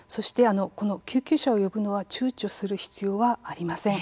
救急車を呼ぶのはちゅうちょする必要がありません。